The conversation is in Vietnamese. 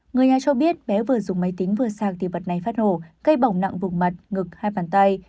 người nhà cho biết bé vừa dùng máy tính vừa sạc thì vật này phát nổ gây bỏng nặng vùng mặt ngực hai bàn tay